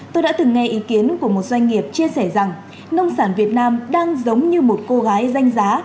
tôi đã từng nghe ý kiến của một doanh nghiệp chia sẻ rằng nông sản việt nam đang giống như một cô gái danh giá